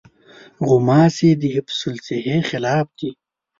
غوماشې د حفظالصحې خلاف دي.